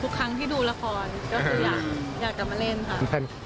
ทุกครั้งที่ดูละครก็คืออยากจะมาเล่นค่ะ